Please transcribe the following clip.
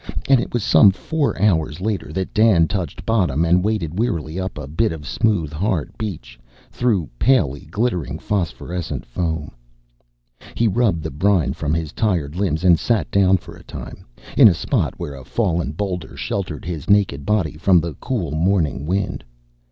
And it was some four hours later that Dan touched bottom and waded wearily up a bit of smooth hard beach, through palely glittering phosphorescent foam. He rubbed the brine from his tired limbs, and sat down for a time, in a spot where a fallen boulder sheltered his naked body from the cool morning wind.